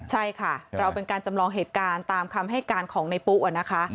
ใช่ค่ะเราเป็นการจำลองเหตุการณ์ตามคำให้การของในปุ๊นะคะ